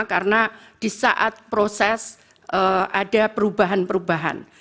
karena di saat proses ada perubahan perubahan